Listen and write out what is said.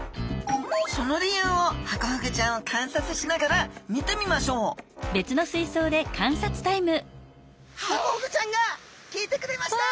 その理由をハコフグちゃんを観察しながら見てみましょうハコフグちゃんが来てくれました。